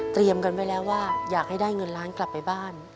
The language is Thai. กันไว้แล้วว่าอยากให้ได้เงินล้านกลับไปบ้าน